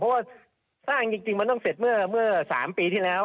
เพราะว่าสร้างจริงมันต้องเสร็จเมื่อ๓ปีที่แล้ว